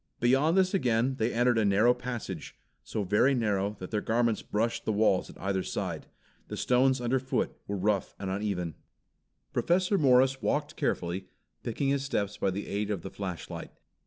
Beyond this again they entered a narrow passage, so very narrow that their garments brushed the walls at either side. The stones underfoot were rough and uneven. Professor Morris walked carefully, picking his steps by the aid of the flashlight.